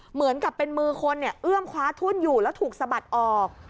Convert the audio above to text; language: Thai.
เหมือนกับเป็นมือคนเนี่ยเอื้อมคว้าทุ่นอยู่แล้วถูกสะบัดออก